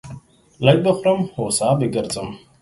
لږ به خورم ، هو سا به گرځم.